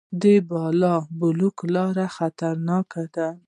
د بالابلوک لاره خطرناکه ده